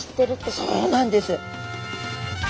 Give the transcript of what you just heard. そうなんです。